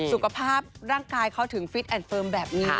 สุขภาพร่างกายเขาถึงฟิตแอนดเฟิร์มแบบนี้